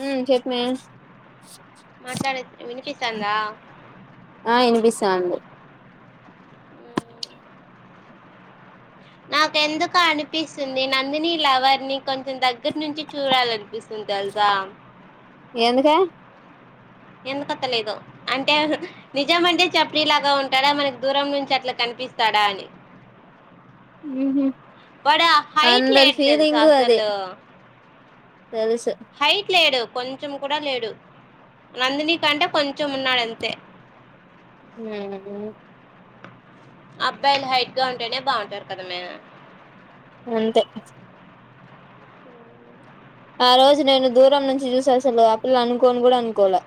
ఉ చెప్పు మే మాట్లాడేది వినిపిస్తుందా తది నాకు ఎందుకు అనిపిస్తుంది నందిని లవర్ ని కొంచెం దగ్గ ఎప్పటినుంచి చూడాలనిపిస్తుంది తెలుసా ఎందుకే ఎందుకుత్తలేదో అంటే నిజం అంటే చెప్రిలాగా ఉంటాడా మనకి దూరం నుంచి అట్లా కనిపి పిస్తాడని హుహు వాడా హైట్ లేడు తెలుసా అదే అసలు తెలుసు హైట్ లేడు కొంచెం కూడా లేడు నందిని కంటే కొంచెం ఉన్నాడు అంతే హ్మ్మ్ అబ్బాయిలు హైట్ గా ఉంటేనే బాగుంటారు కదా మే అంతే ఆ రోజు నేను దూరం నుంచి చూసి అసలు ఆ పిల్ల అనుకోని కూడా అనుకోలే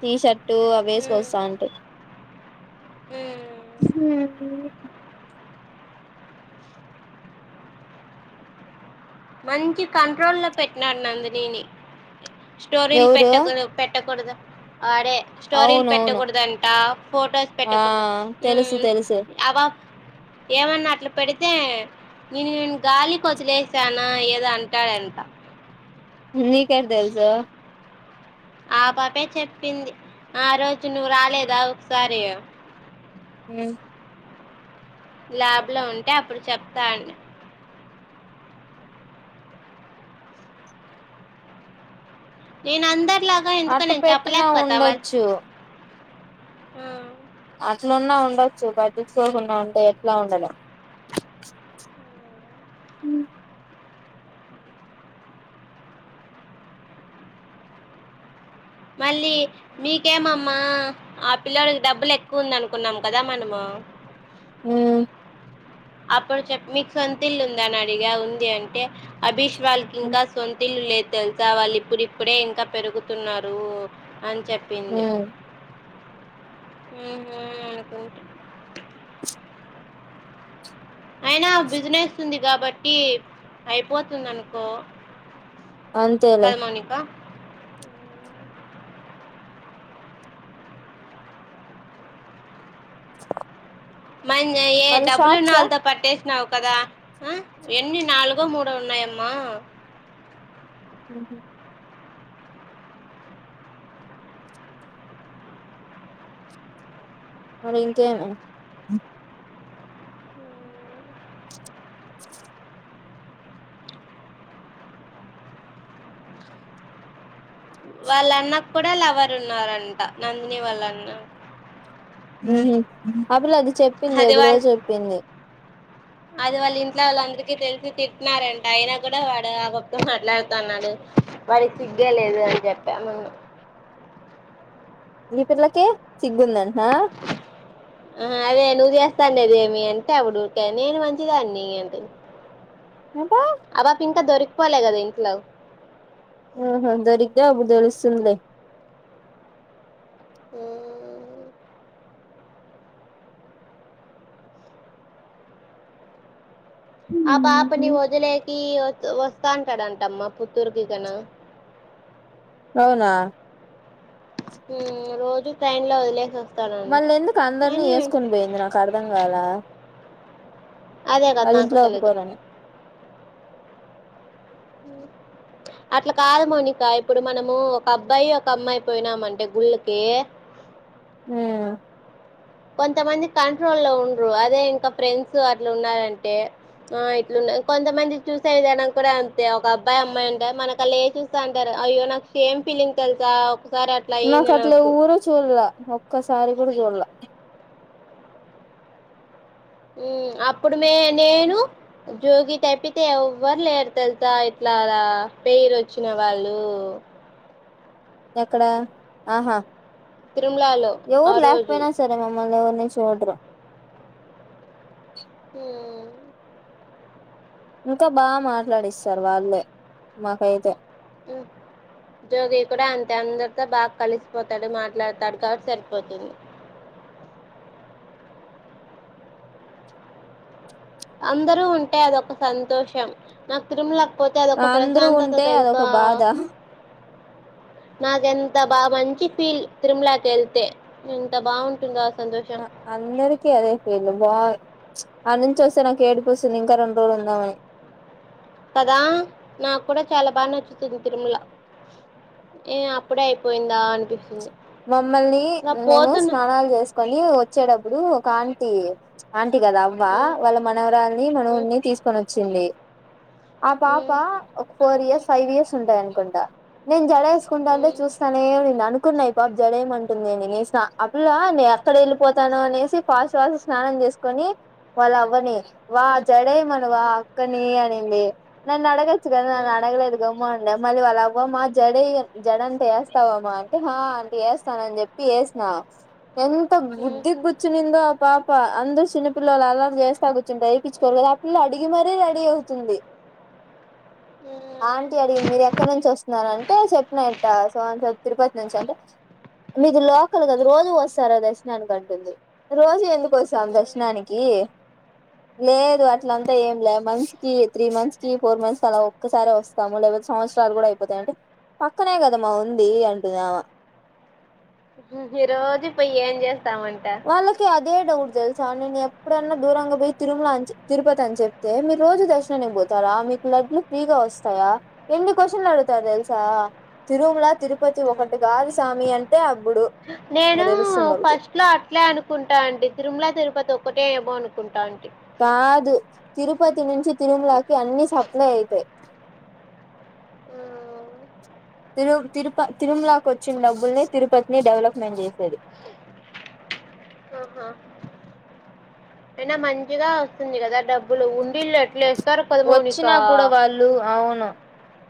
టీ షర్ట్ టూ అవేస్ వస్తాంటే హ్మ్మ్ మంచి కంట్రోల్ లో పెట్టినాడు నందిని ని స్టోర్ల్ ఎవరు పెట్టక పెట్టకూడదు అరే స్టోరీలు అవునవును పెట్టకూడదంటా ఫొటోస్ ఆ పెట్టకూడదు తెలుసు హ్మ్ తెలుసు అవా ఏమన్నా అట్లా పెడితే తే నేను నను గాలికి వదిలేసానా ఏదో అంటాడంట నీకు ఎట్లా తెలుసు ఆ పాపే చెప్పింది ఆ రోజు నువ్వు రాలేదా ఒకసారి హ్మ్ ల్యాబ్ లో ఉంటే అప్పుడు చెప్తా అన్న నేను అందరిలాగా ఎందుకు అట్ట నేను పెట్టినా చెప్పలేకపోతా వాళ ఉండొచ్చు హ అట్లున్నా ఉండొచ్చు పట్టిచుకోకుండా ఉంటే ఎట్లా ఉండడం హ్మ్ మళ్ళీ మీకేమమ్మా ఆ పిల్లడికి డబ్బులు ఎక్కువ ఉంది అనుకున్నాం కదా మనము ఆ హ్మ్ అప్పుడు చెప్పు మీకు సొంత ఇల్లు ఉందా అని అడిగా ఉంది అంటే అభిష్ వాళ్ళకి ఇంకా సొంతిల్లు లేదు తెలుసా వాళ్ళు ఇప్పుడు ఇప్పుడే ఇంకా పెరుగుతున్నారు అని చెప్పింది ఉమ్ హ్మ్ హు అనుకుంటా అయినా బిజినెస్ ఉంది కాబట్టి అయిపోతుంది అనుకో అంతేలే పది మౌనికా మనయే మళ్ళీ డబ్బులు ఉన్న షాప్సా వాళ్ళతో పట్టేసినవు కదా మ్మ్ ఎన్ని నాలుగో మూడో ఉన్నాయమ్మా హ్మ్ మరి ఇంకేం వాళ్ళ అన్న కూడా లవర్ ఉన్నారంట నందిని వాళ్ళన్న హ్మ్ అ పిల్ల అది చెప్పింది అది ఎప్పుడో వాళ్ళ చెప్పింది అది వాళ్ళు ఇంట్లో వాళ్ళు అందరికి తెలిసి తిట్టినారంట అయిన కూడా వాడు ఆ పాప తో మాట్లాడుతూన్నాడు వాడికి సిగే లేదు అని చెప్పామేము ఈ పిల్లకి సిగ్గుందా ఆ అదే నువ్వు చెస్ చేస్తలేవ్ ఏమి అంటే నేను మంచిదాన్ని అంటుంది అబ్బా అపాప ఇంకా దొరికిపోలే కదా ఇంట్లో ఆహా దొరికితే అప్పుడు తెలుస్తుంది లే హుమ్ ఆ ఆపని వొదిలేసి వస్ వస్త డంటమ్మా పుత్తూరుకి ఇతను అవునా హ్మ్ రోజూ ట్రైన్ లో వదిలేసి వస్ మళ్ళ ఎందుకు అందరినీ ఏసుకొని పోయింది నాకు అర్ధం కాలా! అదే కదా నాకు వాళ్ళింట్లో తెలీదు ఒప్పుకోరాని. మ్ అట్లా కాదు మౌనిక ఇప్పుడు మనమూ ఒక అబ్బాయి, ఒక అమ్మాయి పోయినామంటే గుళ్ళకి మ్మ్ కొంతమంది కంట్రోల్ లో ఉండ్రు అదే ఇంకా ఫ్రెండ్స్ అట్ల ఉన్నారంటే, ఆ ఇట్లున్నాయి కొంతమంది చూసే విధానం కూడా అంతే, ఒక అబ్బాయి అమ్మాయి ఉంటే మనకల్లే చూస్తా ఉంటరు. అయ్యో నాకు షేమ్ ఫీలింగ్ తెల్సా నాకు అట్ల ఎవురూ చూడ్లా ఒక్కసారి కూడా చూడ్లా. మ్మ్ అప్పుడు మే నేను జోగి తప్పితే ఎవ్వరు లేరు తెలుసా ఇట్ల అలా పేరు వొచ్చిన వాళ్ళు. ఎక్కడ ఆఁ హా తిరుమలలో ఆ ఎవురు రోజు లేకపోయిన సరే మమ్మల్ని ఎవర్ చూడరు హ్మ్ ఇంకా బాగా మాట్లాడిస్తారు వాళ్ళే మాకైతే. మ్ జోగి కూడా అంతే అందరితో బాగా కలిసిపోతాడు, మాట్లాడతాడు కాబట్టి సరిపోతుంది. [inaudible] అందరూ ఉంటే అదొక సంతోషం నాక్ తిరుమల పోతే అదొక అందరూ ప్రశాంతత ఉంటే తెలుసా అదొక బాధ నాకు ఎంత బాగా మంచి ఫీల్ తిరుమలాకి ఎళ్తే ఎంత బాగుంటుందో సంతోషం న అందరికీ అదే ఫీల్ బా ప్చ్ ఆడ్నుంచి వస్తే నాకు ఏడిపోస్తుంది ఇంకా రెండు రోజులు ఉందామని. కదా నాకు కూడా చాలా బాగా నచ్చుతుంది తిరుమల. ఏ అప్పుడే అయిపోయిందా అనిపిస్తుంది. మమ్మల్ని ఇంకా మేము పోతున్నా స్నానాలు చేసుకొని వచ్చేటప్పుడు ఒక ఆంటీ ప్చ్ ఆం టి కదు అవ్వ! ఉమ్, వాళ్ళ మనవరాల్ని ఉమ్, మనవున్ని తీసుకొని వచ్చింది. ఆ పాప ఉమ్, ఒక ఫోర్ ఇయర్స్ ఫైవ్ ఇయర్స్ ఉంటది అనుకుంటా నేన్ జడ ఏసుకుంటాంటే ఉమ్, చూస్తానే ఉన్నింది అనుకున్న ప జడ ఏయమంటుందే నేను ఏసిన ఆ పిల్ల నే ఎక్కడ ఎళ్ళిపోతానో అనేసి ఫాస్ట్ ఫాస్ట్ గా స్నానం చేసుకొనీ, వాళ్ళ అవ్వని వా ఉమ్, ఉమ్, జడేయెమనవా అక్కని అనింది. నన్ను అడగ చ్చు కదా ఉమ్, ఉమ్, ఉమ్, ఉమ్. అడగలేదు గమ్మున ఉండే మళ్ళీ అ వ్వ మా జడేయ్ జడంటా ఏస్తావామా అంటే హాఁ ఆంటి ఏస్తానని చెప్పి ఏసినా. ఎంత బుద్ధిగ్ గుర్చినిందో ఆ పా ప అందరు చిన్న పిల్లలు అల్లరి చేస్తా కూర్చొంటే ఏపిచుకోరు కదా, ఆ పిల్ల అడిగి మరీ రెడీ అవుతుంది. [inaudible] ఆంటీ అడిగింది మీరు ఎక్కడి నుంచి వస్తున్నారంటే, చెప్పిన ఇట్ట సో అండ్ సో తిరుపతి నుంచి అంటే మీది లోకల్ కదా రోజు వస్తారా దర్శనానికి అంటుంది. రోజు ఎందుకు వస్తాం దర్శనాని కీ లేదు అట్లంతా ఏంలే మంత్స్ కి త్రీ మంత్స్ కి ఫోర్ మంత్స్ కి అలా ఒక్కసారే వస్తాము [unintelligible] సంవత్సరాలు కూడా అయిపోతాయి అంటే, పక్కనే కదమ్మా ఉంది అంటుందమా! రోజూ పోయి ఏం చేస్తామంటా? వాళ్ళకి అదే డౌట్ తెలుసా నేను ఎప్పుడైన్నా దూరంగా పోయి తిరుమల అని తిరుపతి అ చెప్తే మీరు రోజు దర్శనానికి పో తరా, మీకు లడ్లు ఫ్రీగా వస్తాయా, ఎన్ని క్యశ్చన్లు అడుగుతరు తెలుసా తిరుమల, తిరుప తి ఉమ్. ఒకటి కాదు సామి అంటే అప్పుడు. ఇంక నేను తెలుస్తుంది ఒకటి ఫస్ట్ లో అట్లే అనుకుంటా అండి తిరుమల తిరుపతి ఒక్కటే ఏమో అనుకుంటాను. కాదు తిరుపతి నుంచి తిరుమలకి అన్ని సప్లై అయితాయి. ఆ తిరుమ్ తిరుప తిరుమ్లా కోచ్చిన్ డబ్బుల్నే తిరుపతిని డెవలప్మెంట్ చేసేది. [inaudible] ఆహా అయినా మంచిగా వస్తుంది కదా డబ్బులు ఉండీల్లో ఎట్లే వచ్చినా కూడా వాళ్ళు అవును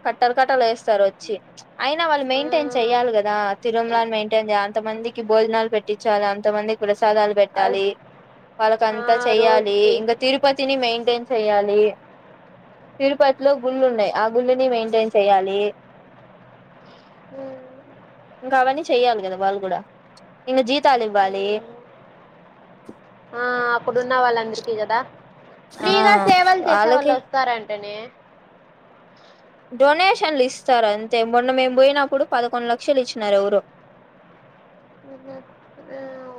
కట్టల్ కట్టలేస్తారు వచ్చి అయినా వాళ్ళు మెయింటెన్ చెయాలి కదా తిరుమలాని మెయింటెన్ చేయాల్ అంత మందికి భోజనాలు పెట్టించాల అంత మందికి ప్ర సాదాలు అది, పెట్టాలి ఆ, వాళ్ళకంతా చెయాలి రోజుకి ఇంకా తిరుపతిని మెయిం టెన్ చెయాలి తిరుపతిలో గుళ్ళున్నాయి. ఆ ఉమ్, గుళ్ళని మెయింటెన్ చేయాలి. హ్మ్ ఇంకా అవన్నీ చెయ్యాలి కదా వాళ్ళు కూడా ఇంగ జీతాలు ఇవ్వాలి. ఉమ్, ఆ అప్పుడున్న వాళ్ళందరికీ కదా ఆ ఫ్రీగా సేవలు చేసే వాళ్ళు వాళ్ళకి వస్తార అటనే డొనేషన్లు ఇస్తారు అంతే మొన్న మేము పోయినప్పుడు పదకొండు లక్షలు ఇచ్చినారు ఎవరో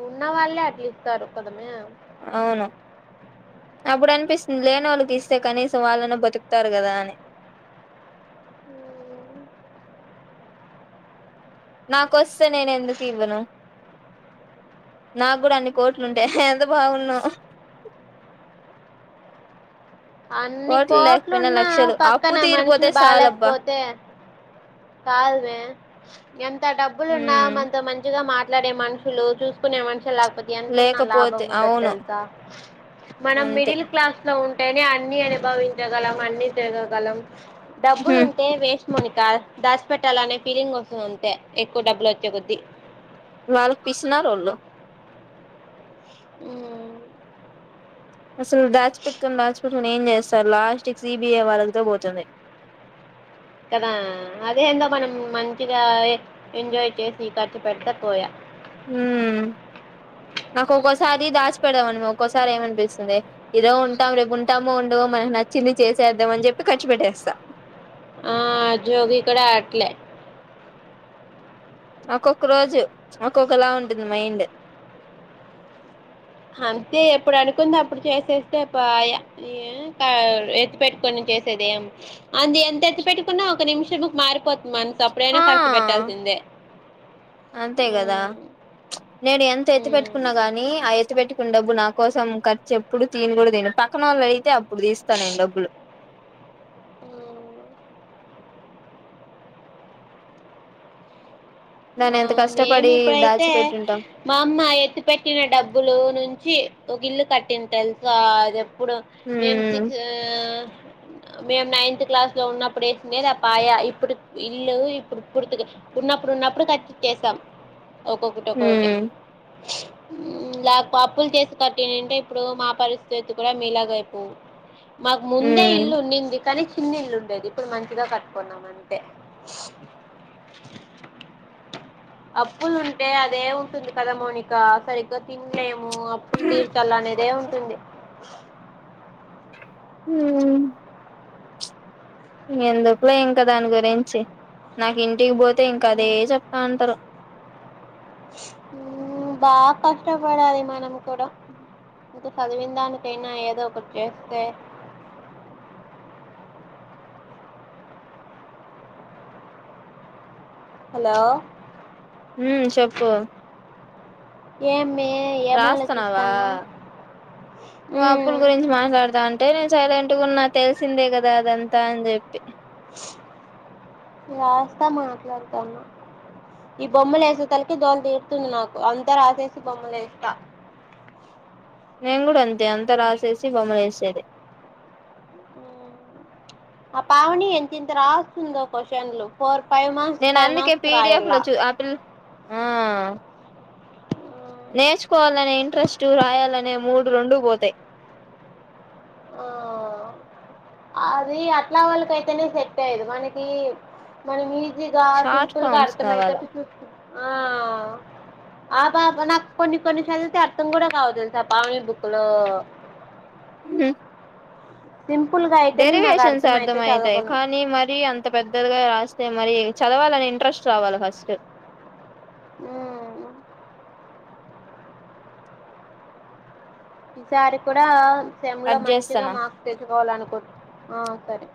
ఉన్న వాళ్ళే అట్లిత్తరు కదమే ఉమ్, అవును అప్పుడు అనిపిస్తుంది లేనోళ్ళకిస్తే కనీసం వాళ్ళన్న బతుకుతారు. కదా అని ఉమ్. నాకోస్తే నేను ఎందుకు ఇవ్వను నాగుడా అన్ని కోట్లు ఉంటె ఎంత బాగుడ్నో అన్ని కోట్లు లేకపోయినా కోట్లున్నా లక్షలు అప్పు పక్కన తీరిపోతే మనుషులు చాలబ్బా బాలేేక్పోతే కాదుమే ఎంత డబ్బులున్నా ఉమ్ మనతో మంచిగా మాట్ మాట్లాడే మనుషులు చూసుకునే మనుషులా ఎంతున్న లాభం లేకపోతే ఉండదు అవును తెలుసా మనం అంతే మిడిల్ క్లాస్ లో ఉంటేనే అన్ని అనుభవించగలం అన్ని తిరగ గలం డబ్బులు ఉహు ఉంటే వేస్ట్ మౌనిక దాసి పెట్టాల అనే ఫీలింగ్ వస్తది ఉంటే ఎక్కువ డబ్బులు వచ్చే బుద్ది వాళ్ళు పిసినారోళ్ళు హ్మ్మ్ అసల్ దాచిపెట్టుకొని దాచిపెట్టుకొని ఏం చేస్ స్తారు లాస్ట్కి సిబిఐ వాళ్ళంతో పోతుంది. కదా అదే ఏందో మనం మంచిగా ఎన్ ఎంజాయ్ చేసి ఖర్చు పెడితే పోయే హ్మ్ నాకు ఒక్కోసారి దాచి పెడదాం అనిపి ఒక్కోసారి ఏమనిపిస్తుంది ఏదో ఉంటాం రేపు ఉంటామో ఉండమో మనం నచ్చింది చేసేద్దామని చెప్పి ఖర్చు పెట్టేస్తా ఆ జోగి ఇక్కడే అట్లే ఒక్కొక్క రోజు ఒక్కొక్కలా ఉంటుంది మైండ్ అంతే ఎప్పుడు అనుకుంది అప్పుడు చేసేస్తే పాయే [unintelligible] ఎత్తి పెట్టుకొని చేసేదేం అంది ఎత్తి పెట్టుకున్నా ఒక నిమిషముకు మారిపో మనస్ అప్పుడైనా ఆ ఖర్చు పెట్టాల్సిందే అంతే కదా ఉమ్ చ్ నేను ఎంత ఎత్తు ఉమ్ పెట్టుకున్నా గాని ఆ ఎత్తి పెట్టు కున్న డబ్బు నా కోసం ఖర్చు ఎప్పుడు తియ్యను కూడా తీను పక్కనవోళ్ళదయితే అప్పుడు తీస్తాను నేను డబ్బులు ఉమ్ దాన్ని ఆ ఎంత కష్టపడి మేమి ఇప్పుడైతే దాచిపెట్టుంటాం మా అమ్మ ఎత్తి పెట్టిన డబ్బులు నుంచి ఒక ఇల్లు కట్టింది తెలుసా అది ఎప్పుడు మేము హ్మ్ సిక్స్ ఆ మేమ్ నైన్త్ క్లాస్ లో ఉన్నప్పుడు ఏసిందే ఆ పాయ ఇప్పుడు ఇల్లు ఇప్పుడు పుర్తిగా ఉన్నప్పుడు ఉన్నప్పుడు కట్ట్చేశాం ఒక్కొక్కటి ఒక్కొక్కటి హ్మ్ ఉమ్ లెక్ అప్పులు చేసి కట్టినిన్న్టె ఇప్పుడు మా పరిస్థితి కూడా మీలాగయిపోవు మాకు ముందే హ్మ్ ఇల్లు ఉన్నింది కానీ చిన్న ఇల్లు ఉండేది ఇప్పుడు మంచిగా కట్టుకున్నామంతె అప్పులు ఉంటే అదేంటుంది కదా మోనిక సరిగ్గా తినలేం అప్పులు తీర్చాల అనేదే ఉంటుంది ఉమ్ ఎందుకులో ఇంకా దాని గురించి నాకు ఇంటికి పోత ఇంకా అదే ఉమ్. చెప్తా అంటారు ఉమ్ బా కష్టపడాలి మనం కూడా ఇంక చదివిన దానికైనా ఏదో ఒకటి చేస్తే హలో హ్మ్ చెప్పు ఎమ్ మే ఎమ్ ఆలోచిస్తానవ్ ఆప్పుల గురించి మాట్లాడతా అంటే నేను సైలెంట్ గా ఉన్నా తెలిసిందే కదా అదంతా అని చెప్పి వస్తా మాట్లాడుతన్నా ఈ బొమ్మలు వేసే తలకి దోళ తీరుతుంది నాకు అంత రాసేసి బొమ్మలు వేస్తా నేను కుడా అంతే అంతా రాసేసి బొమ్మ వేసేది ఉమ్. ఆ పావని ఎంత ఎంత రాస్తుందో క్వషన్లు కోర్ ఫైవ్ మార్క్స్ నేను ఫైవ్ అందుకే మార్క్స్ పీడిఎఫ్ లో రాయలా చూ ఆ పిల్ ఆ నేర్చుకోవాలంటే ఇంట్రెస్ట్ రాయాలంటే మూడు రెండూ పోతాయి ఆ అది అట్లా వాళ్ళక అయితేనే సెట్ అయ్యేది మనకి మన మీ అదిగ షార్ట్ సింపుల్ గా ఫామ్స్ అర్థం కావాలా అయ్యేటట్లు చూసుకున్ ఆ ఆ పాప నాకు కొన్ని చదివితే అర్థం కూడా కావు థెలుసా పావని బుక్ లో సింపుల్ గా అయితేనే నాకు డెరివేషన్స్ అర్థం అయితే అర్థమవుతాయి చదవగలను కానీ మరి అంత పెద్దగా రా స్తే మరి చదవాలని ఇంట్రెస్ట్ రావాలి ఫాస్తు ఉమ్ ఈసారి కూడా సెమ్ లో కట్ మంచిగా చేస్తానా మార్క్స్ తెచ్చుకోవాల అనుకుంటు ఆ సరే